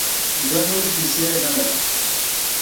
زه نوری پیسې نه لرم